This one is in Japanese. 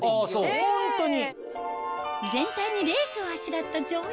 ホントに。